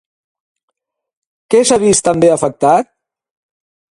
Què s'ha vist també afectat?